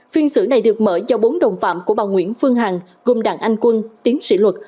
phiên xử này được mở do bốn đồng phạm của bà nguyễn phương hằng gồm đảng anh quân tiến sĩ luật